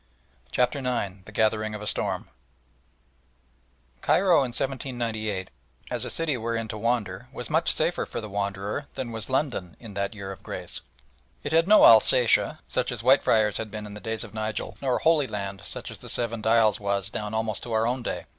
CHAPTER IX THE GATHERING OF A STORM Cairo in 1798 as a city wherein to wander was much safer for the wanderer than was London in that year of grace. It had no Alsatia, such as Whitefriars had been in the days of Nigel, nor "Holy Land," such as the Seven Dials was down almost to our own day.